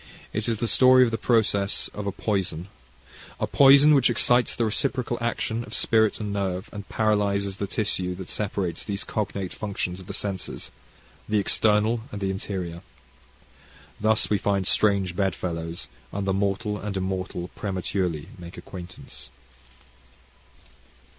It is the story of the process of a poison, a poison which excites the reciprocal action of spirit and nerve, and paralyses the tissue that separates those cognate functions of the senses, the external and the interior. Thus we find strange bed fellows, and the mortal and immortal prematurely make acquaintance.